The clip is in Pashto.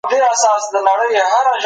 د خپلو ملګرو سره خندا کوئ.